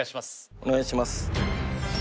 お願いします